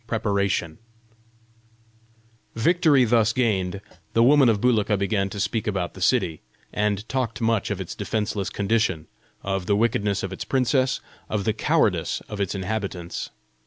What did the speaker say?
PREPARATION Victory thus gained, the woman of Bulika began to speak about the city, and talked much of its defenceless condition, of the wickedness of its princess, of the cowardice of its inhabitants.